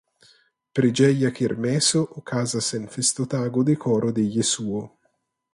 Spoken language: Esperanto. Preĝeja kermeso okazas en festotago de Koro de Jesuo.